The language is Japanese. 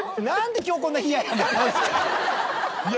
何で今日こんな。